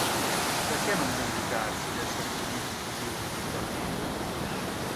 Perchè non vendicarsi, ed esser felici così un momento almeno?